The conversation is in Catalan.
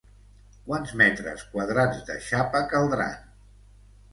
Quants metres quadrats de xapa caldran?